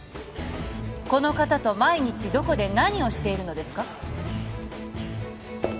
この方と毎日どこで何をしているのですか？